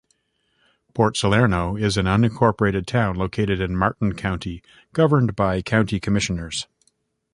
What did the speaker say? Port Salerno is an unincorporated town located in Martin County, governed by County Commissioners.